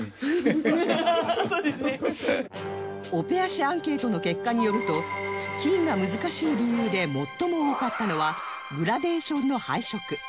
オペアシアンケートの結果によると金が難しい理由で最も多かったのはグラデーションの配色